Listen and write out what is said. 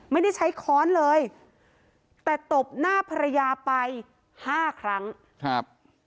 ไม่ได้ใช้ค้อนเลยแต่ตบหน้าภรรยาไปห้าครั้งครับ